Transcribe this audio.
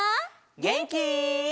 げんき？